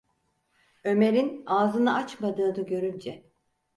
Ömer’in ağzını açmadığını görünce: